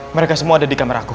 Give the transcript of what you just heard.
mereka semua ada di kamar aku